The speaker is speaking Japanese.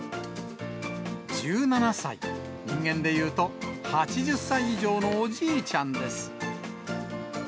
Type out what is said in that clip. １７歳、人間でいうと、８０歳以上のおじいちゃんです。